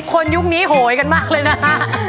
ยุคนี้โหยกันมากเลยนะฮะ